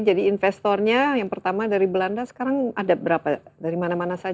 jadi investornya yang pertama dari belanda sekarang ada berapa dari mana mana saja